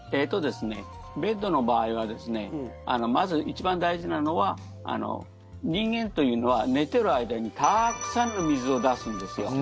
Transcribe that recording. ベッドの場合はまず一番大事なのは人間というのは寝ている間にたくさんの水を出すんですよ。